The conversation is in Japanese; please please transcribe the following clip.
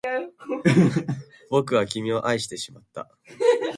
僕は君を愛してしまった